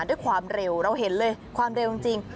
ด้วยความเร็วเราเห็นเลยความเร็วจริง